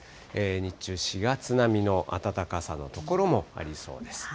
日中、４月並みの暖かさの所もありそうです。